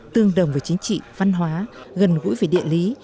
tương đồng về chính trị văn hóa gần gũi về địa lý